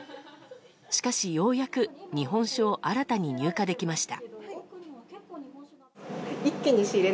しかし、ようやく日本酒を新たに入荷できました。